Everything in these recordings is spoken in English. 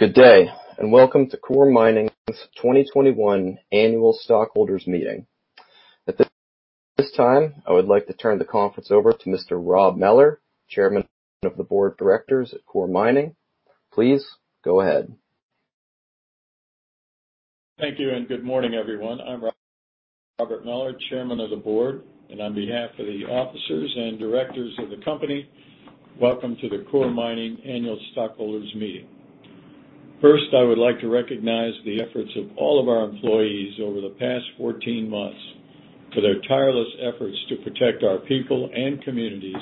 Good day, and welcome to Coeur Mining's 2021 annual stockholders meeting. At this time, I would like to turn the conference over to Mr. Rob Mellor, Chairman of the Board of Directors at Coeur Mining. Please go ahead. Thank you, and good morning, everyone. I'm Robert Mellor, Chairman of the Board, and on behalf of the officers and directors of the company, welcome to the Coeur Mining annual stockholders meeting. I would like to recognize the efforts of all of our employees over the past 14 months for their tireless efforts to protect our people and communities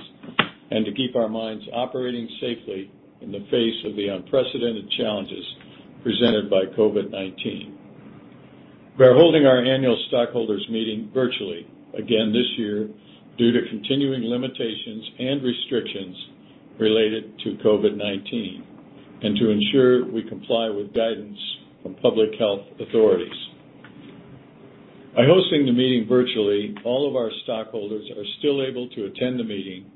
and to keep our mines operating safely in the face of the unprecedented challenges presented by COVID-19. We are holding our annual stockholders meeting virtually again this year due to continuing limitations and restrictions related to COVID-19 and to ensure we comply with guidance from public health authorities. By hosting the meeting virtually, all of our stockholders are still able to attend the meeting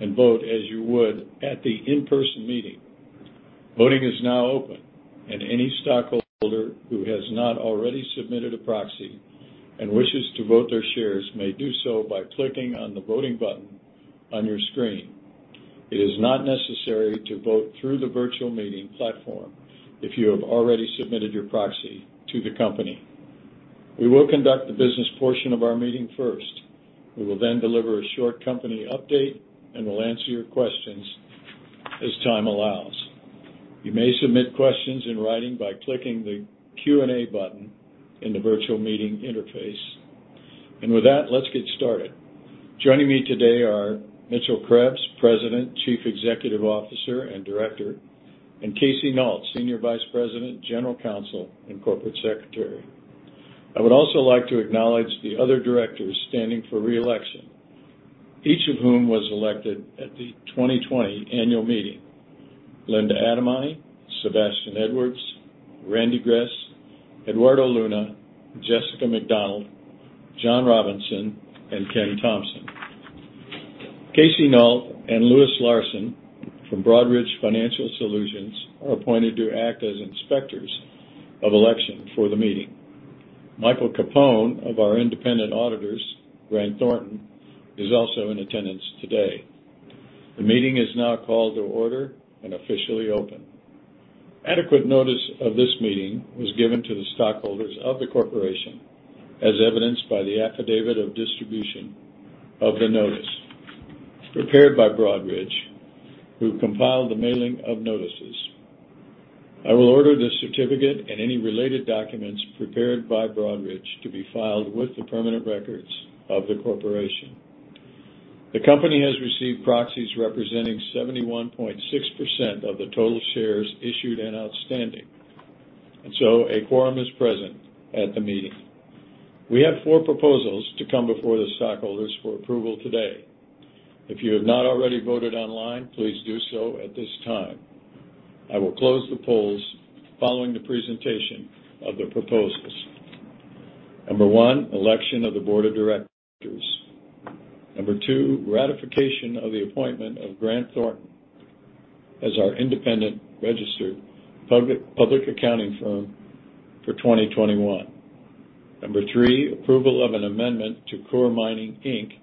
and vote as you would at the in-person meeting. Voting is now open, and any stockholder who has not already submitted a proxy and wishes to vote their shares may do so by clicking on the voting button on your screen. It is not necessary to vote through the virtual meeting platform if you have already submitted your proxy to the company. We will conduct the business portion of our meeting first. We will then deliver a short company update, and we'll answer your questions as time allows. You may submit questions in writing by clicking the Q&A button in the virtual meeting interface. With that, let's get started. Joining me today are Mitchell Krebs, President, Chief Executive Officer, and Director, and Casey Nault, Senior Vice President, General Counsel, and Corporate Secretary. I would also like to acknowledge the other directors standing for re-election, each of whom was elected at the 2020 annual meeting: Linda Adamany, Sebastian Edwards, Randy Gress, Eduardo Luna, Jessica McDonald, John Robinson, and Ken Thompson. Casey Nault and Louis Larsen from Broadridge Financial Solutions are appointed to act as inspectors of election for the meeting. Michael Capone of our independent auditors, Grant Thornton, is also in attendance today. The meeting is now called to order and officially open. Adequate notice of this meeting was given to the stockholders of the corporation, as evidenced by the affidavit of distribution of the notice prepared by Broadridge, who compiled the mailing of notices. I will order the certificate and any related documents prepared by Broadridge to be filed with the permanent records of the corporation. The company has received proxies representing 71.6% of the total shares issued and outstanding, a quorum is present at the meeting. We have four proposals to come before the stockholders for approval today. If you have not already voted online, please do so at this time. I will close the polls following the presentation of the proposals. Number one, election of the board of directors. Number two, ratification of the appointment of Grant Thornton as our independent registered public accounting firm for 2021. Number three, approval of an amendment to Coeur Mining, Inc.'s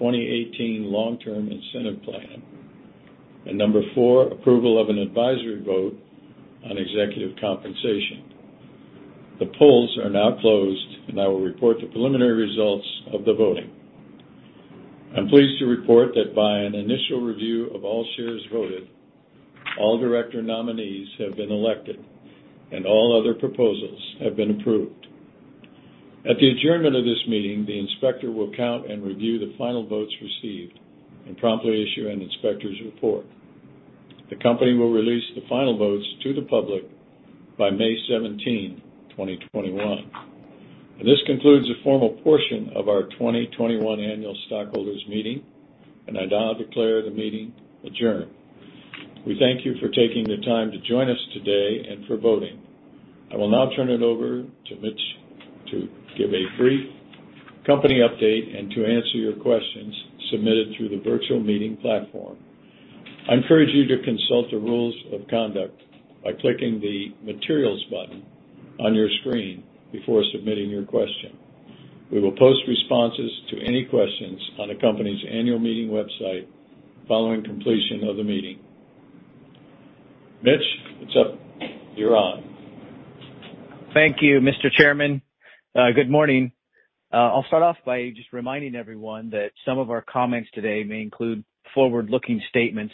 2018 long-term incentive plan. Number four, approval of an advisory vote on executive compensation. The polls are now closed, and I will report the preliminary results of the voting. I'm pleased to report that by an initial review of all shares voted, all director nominees have been elected, and all other proposals have been approved. At the adjournment of this meeting, the inspector will count and review the final votes received and promptly issue an inspector's report. The company will release the final votes to the public by May 17, 2021. This concludes the formal portion of our 2021 annual stockholders meeting, and I now declare the meeting adjourned. We thank you for taking the time to join us today and for voting. I will now turn it over to Mitch to give a brief company update and to answer your questions submitted through the virtual meeting platform. I encourage you to consult the rules of conduct by clicking the Materials button on your screen before submitting your question. We will post responses to any questions on the company's annual meeting website following completion of the meeting. Mitch, what's up? You're on. Thank you, Mr. Chairman. Good morning. I'll start off by just reminding everyone that some of our comments today may include forward-looking statements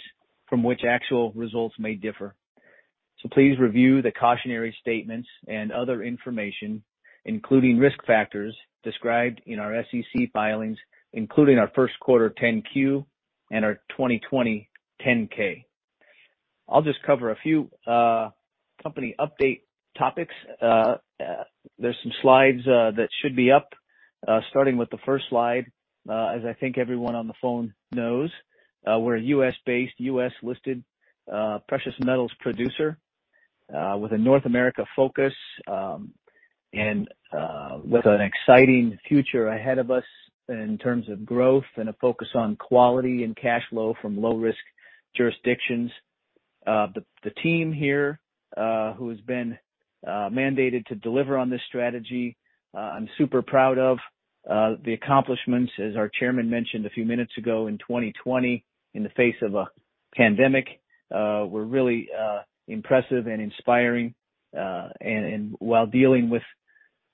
from which actual results may differ. Please review the cautionary statements and other information, including risk factors, described in our SEC filings, including our first quarter 10-Q and our 2020 10-K. I'll just cover a few company update topics. There's some slides that should be up, starting with the first slide. As I think everyone on the phone knows, we're a U.S.-based, U.S.-listed precious metals producer with a North America focus. With an exciting future ahead of us in terms of growth and a focus on quality and cash flow from low-risk jurisdictions. The team here, who has been mandated to deliver on this strategy, I'm super proud of the accomplishments. As our chairman mentioned a few minutes ago, in 2020, in the face of a pandemic, were really impressive and inspiring, while dealing with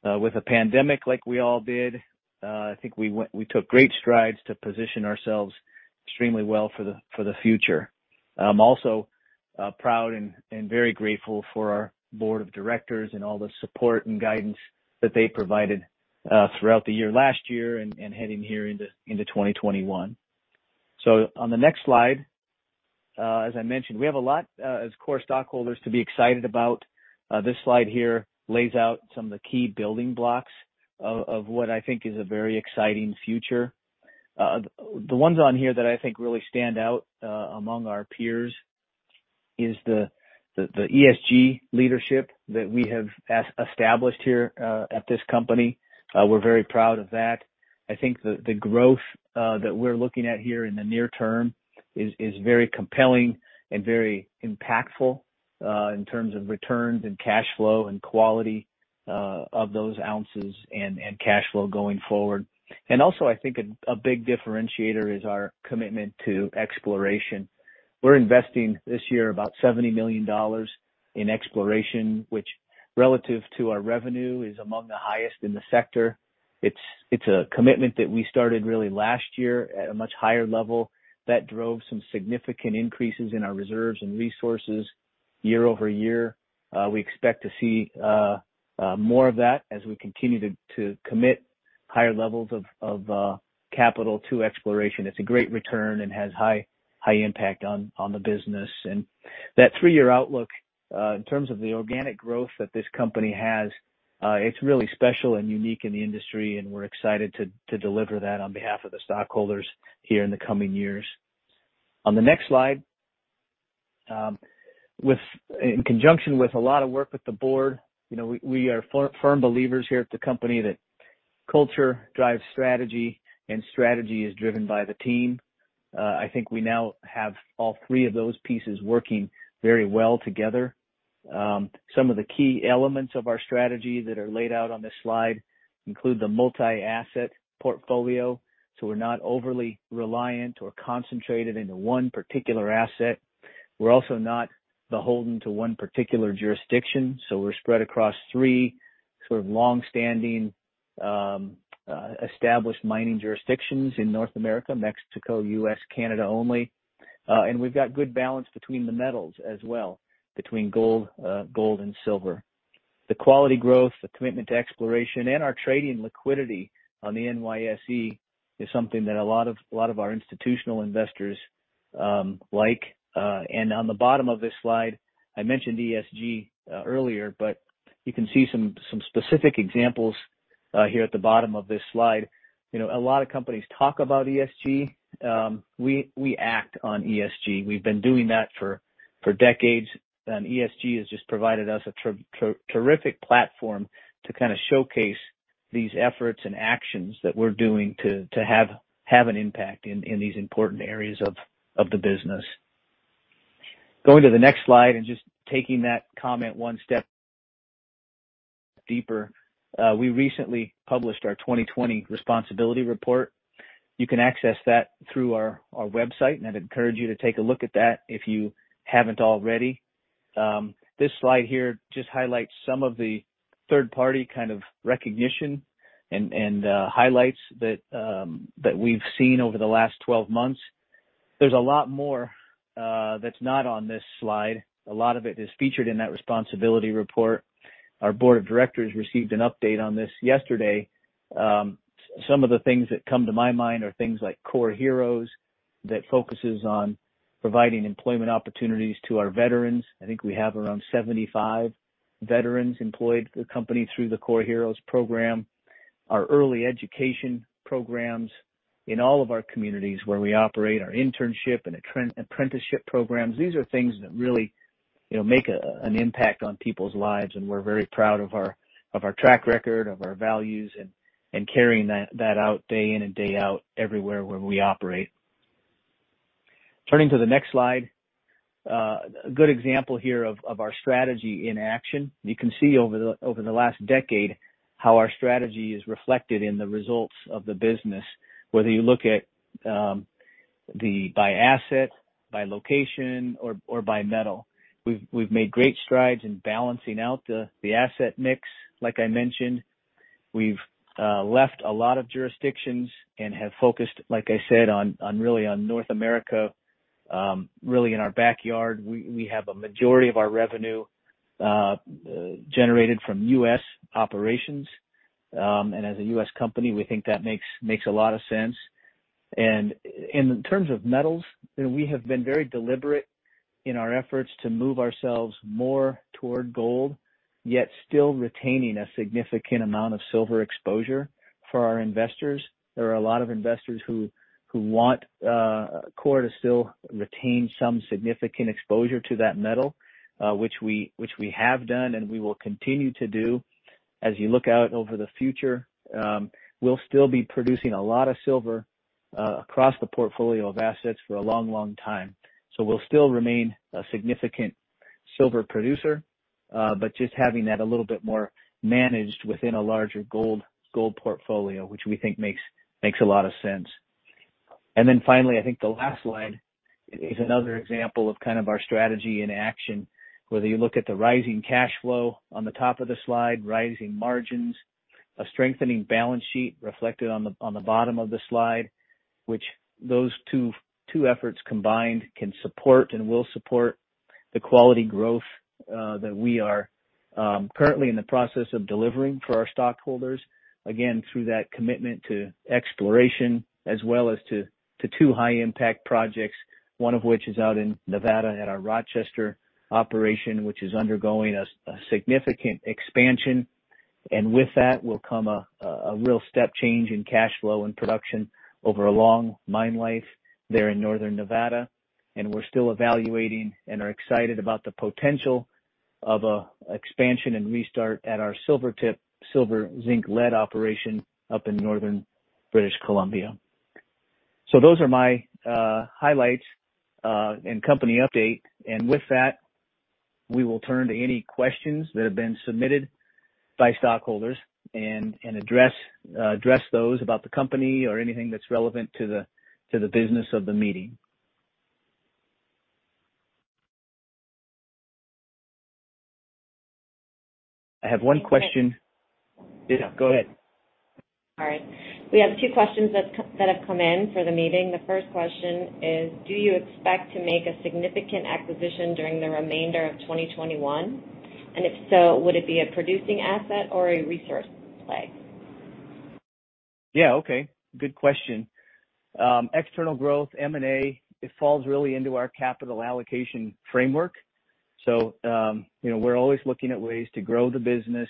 a pandemic, like we all did, I think we took great strides to position ourselves extremely well for the future. I'm also proud and very grateful for our board of directors and all the support and guidance that they provided throughout the year last year and heading here into 2021. On the next slide, as I mentioned, we have a lot, as Coeur stockholders, to be excited about. This slide here lays out some of the key building blocks of what I think is a very exciting future. The ones on here that I think really stand out, among our peers, is the ESG leadership that we have established here at this company. We're very proud of that. I think the growth that we're looking at here in the near term is very compelling and very impactful, in terms of returns and cash flow and quality of those ounces and cash flow going forward. Also, I think a big differentiator is our commitment to exploration. We're investing this year about $70 million in exploration, which relative to our revenue, is among the highest in the sector. It's a commitment that we started really last year at a much higher level that drove some significant increases in our reserves and resources year-over-year. We expect to see more of that as we continue to commit higher levels of capital to exploration. It's a great return and has high impact on the business. That three-year outlook, in terms of the organic growth that this company has, it's really special and unique in the industry, and we're excited to deliver that on behalf of the stockholders here in the coming years. On the next slide, in conjunction with a lot of work with the Board, we are firm believers here at the company that culture drives strategy, and strategy is driven by the team. I think we now have all three of those pieces working very well together. Some of the key elements of our strategy that are laid out on this slide include the multi-asset portfolio, so we're not overly reliant or concentrated into one particular asset. We're also not beholden to one particular jurisdiction, so we're spread across three sort of longstanding, established mining jurisdictions in North America, Mexico, U.S., Canada only. We've got good balance between the metals as well, between gold and silver. The quality growth, the commitment to exploration, and our trading liquidity on the NYSE is something that a lot of our institutional investors like. On the bottom of this slide, I mentioned ESG earlier, but you can see some specific examples here at the bottom of this slide. A lot of companies talk about ESG. We act on ESG. We've been doing that for decades, and ESG has just provided us a terrific platform to kind of showcase these efforts and actions that we're doing to have an impact in these important areas of the business. Going to the next slide and just taking that comment one step deeper. We recently published our 2020 responsibility report. You can access that through our website. I'd encourage you to take a look at that if you haven't already. This slide here just highlights some of the third-party kind of recognition and highlights that we've seen over the last 12 months. There's a lot more that's not on this slide. A lot of it is featured in that responsibility report. Our board of directors received an update on this yesterday. Some of the things that come to my mind are things like Coeur Heroes that focuses on providing employment opportunities to our veterans. I think we have around 75 veterans employed with the company through the Coeur Heroes program. Our early education programs in all of our communities where we operate, our internship and apprenticeship programs. These are things that really make an impact on people's lives, and we're very proud of our track record, of our values, and carrying that out day in and day out everywhere where we operate. Turning to the next slide. A good example here of our strategy in action. You can see over the last decade how our strategy is reflected in the results of the business, whether you look at by asset, by location, or by metal. We've made great strides in balancing out the asset mix, like I mentioned. We've left a lot of jurisdictions and have focused, like I said, really on North America, really in our backyard. We have a majority of our revenue generated from U.S. operations. As a U.S. company, we think that makes a lot of sense. In terms of metals, we have been very deliberate in our efforts to move ourselves more toward gold, yet still retaining a significant amount of silver exposure. For our investors, there are a lot of investors who want Coeur to still retain some significant exposure to that metal, which we have done and we will continue to do. As you look out over the future, we'll still be producing a lot of silver across the portfolio of assets for a long time. We'll still remain a significant silver producer, but just having that a little bit more managed within a larger gold portfolio, which we think makes a lot of sense. Finally, I think the last slide is another example of kind of our strategy in action, whether you look at the rising cash flow on the top of the slide, rising margins, a strengthening balance sheet reflected on the bottom of the slide, which those two efforts combined can support and will support the quality growth that we are currently in the process of delivering for our stockholders, again, through that commitment to exploration as well as to two high-impact projects, one of which is out in Nevada at our Rochester operation, which is undergoing a significant expansion. With that will come a real step change in cash flow and production over a long mine life there in northern Nevada, and we're still evaluating and are excited about the potential of an expansion and restart at our Silvertip silver-zinc-lead operation up in northern British Columbia. Those are my highlights and company update. With that, we will turn to any questions that have been submitted by stockholders and address those about the company or anything that's relevant to the business of the meeting. I have one question. Yeah, go ahead. All right. We have two questions that have come in for the meeting. The first question is, do you expect to make a significant acquisition during the remainder of 2021? If so, would it be a producing asset or a resource play? Yeah, okay. Good question. External growth, M&A, it falls really into our capital allocation framework. We're always looking at ways to grow the business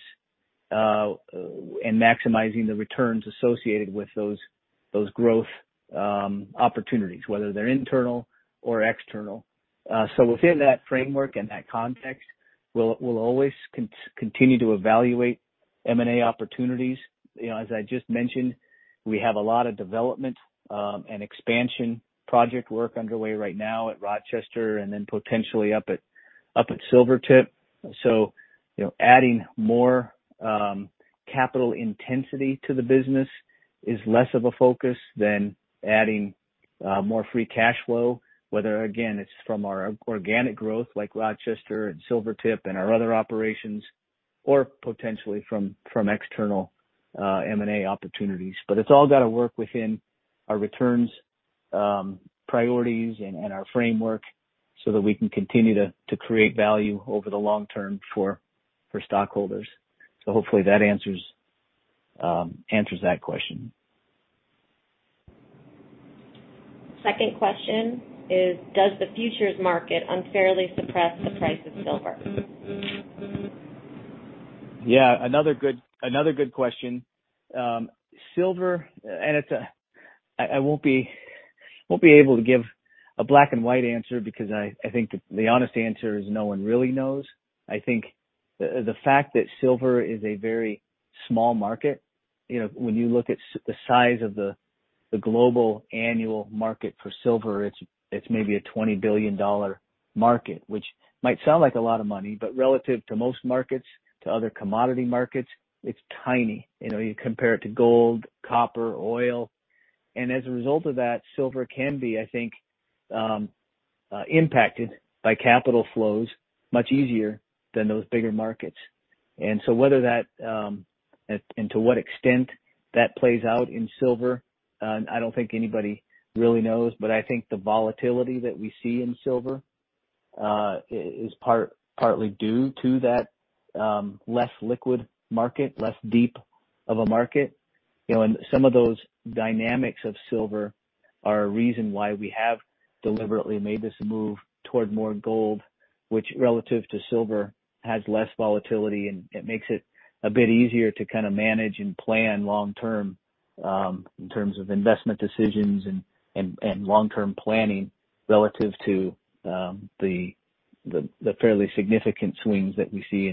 and maximizing the returns associated with those growth opportunities, whether they're internal or external. Within that framework and that context, we'll always continue to evaluate M&A opportunities. As I just mentioned, we have a lot of development and expansion project work underway right now at Rochester and then potentially up at Silvertip. Adding more capital intensity to the business is less of a focus than adding more free cash flow, whether, again, it's from our organic growth like Rochester and Silvertip and our other operations, or potentially from external M&A opportunities. It's all got to work within our returns priorities and our framework so that we can continue to create value over the long term for stockholders. Hopefully that answers that question. Second question is, does the futures market unfairly suppress the price of silver? Yeah, another good question. silver, I won't be able to give a black-and-white answer because I think the honest answer is no one really knows. I think the fact that silver is a very small market, when you look at the size of the global annual market for silver, it's maybe a $20 billion market, which might sound like a lot of money, but relative to most markets, to other commodity markets, it's tiny. You compare it to gold, copper, oil. As a result of that, silver can be, I think, impacted by capital flows much easier than those bigger markets. Whether that, and to what extent that plays out in silver, I don't think anybody really knows. I think the volatility that we see in silver is partly due to that less liquid market, less deep of a market. Some of those dynamics of silver are a reason why we have deliberately made this move toward more gold, which, relative to silver, has less volatility, and it makes it a bit easier to kind of manage and plan long term, in terms of investment decisions and long-term planning, relative to the fairly significant swings that we see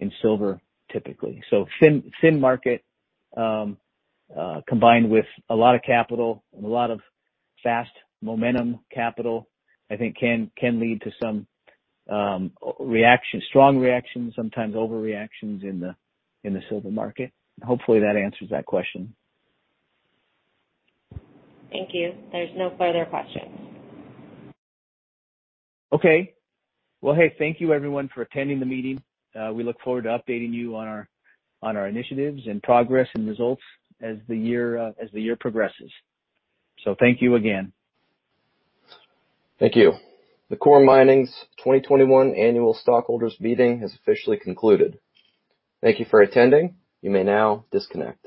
in silver typically. Thin market, combined with a lot of capital and a lot of fast momentum capital, I think can lead to some strong reactions, sometimes overreactions, in the silver market. Hopefully that answers that question. Thank you. There's no further questions. Okay. Well, hey, thank you everyone for attending the meeting. We look forward to updating you on our initiatives and progress and results as the year progresses. Thank you again. Thank you. The Coeur Mining's 2021 annual stockholders meeting has officially concluded. Thank you for attending. You may now disconnect.